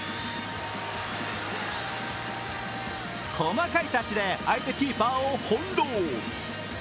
細かいタッチで相手キーパーを翻弄。